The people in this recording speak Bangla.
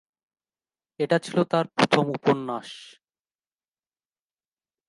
এটি ছিল তার প্রথম উপন্যাস।